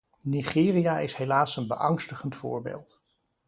Nigeria is helaas een beangstigend voorbeeld.